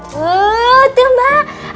tuh tuh mbak aneh